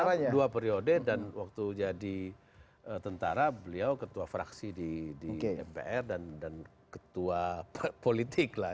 sekarang dua periode dan waktu jadi tentara beliau ketua fraksi di mpr dan ketua politik lah